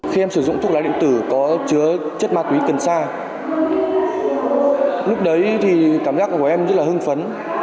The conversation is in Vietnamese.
khi em sử dụng thuốc lá điện tử có chứa chất ma túy cần sa lúc đấy thì cảm giác của em rất là hưng phấn